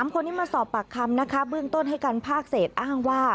๓คนนี้มาสอบปากคำนะคะเบื้องต้นให้การภาคเศษอ้างว่า